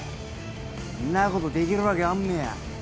んなことできるわけあんめえや。